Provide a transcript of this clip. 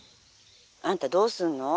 「あんたどうすんの？